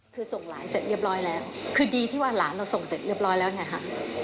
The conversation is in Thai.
คือส่งหลานเสร็จเรียบร้อยแล้วคือดีที่ว่าหลานเราส่งเสร็จเรียบร้อยแล้วไงคะ